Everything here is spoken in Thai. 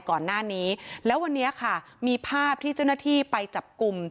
ก่อนหน้านี้แล้ววันนี้ค่ะมีภาพที่เจ้าหน้าที่ไปจับกลุ่ม